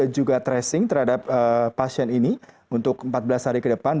juga tracing terhadap pasien ini untuk empat belas hari ke depan